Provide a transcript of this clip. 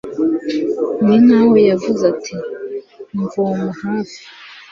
ni nkaho yavuze ati «mvoma hafi